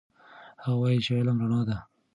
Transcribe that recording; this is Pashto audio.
هغه وایي چې علم رڼا ده.